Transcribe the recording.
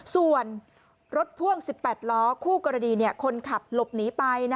ส่วนรถพ่วง๑๘ล้อคู่กรณีคนขับหลบหนีไป